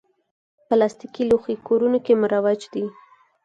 پلاستيکي لوښي کورونو کې مروج دي.